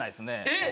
えっ！